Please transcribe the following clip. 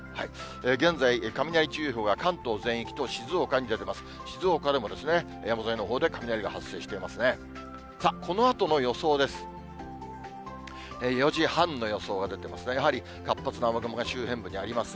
現在、雷注意報が関東全域と静岡に出ています。